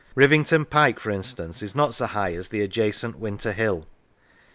Rivington Pike, for instance, is not so high as the adjacent Winter Hill.